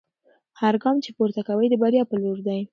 هر ګام چې پورته کوئ د بریا په لور دی.